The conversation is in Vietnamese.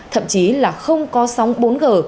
thậm chí là không có sóng bốn g